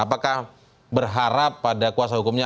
apakah berharap pada kuasa hukumnya